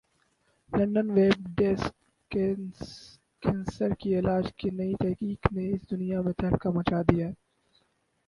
London web desk cancer کے علاج کی نئی تحقیق نے اس دنیا میں تہلکہ مچا دیا ہے